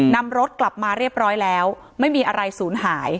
นำรถกลับมาเรียบร้อยแล้วไม่มีอะไรศูนย์หาย